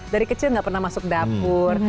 dari kecil gak pernah masuk dapur